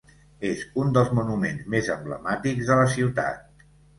És un dels monuments més emblemàtics de la ciutat.